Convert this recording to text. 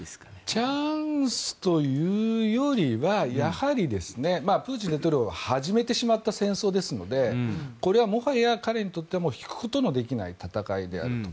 チャンスというよりはやはりプーチン大統領が始めてしまった戦争ですのでこれはもはや、彼にとっては引くことのできない戦いであると。